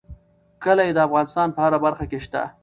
کلي د افغانستان په هره برخه کې شته.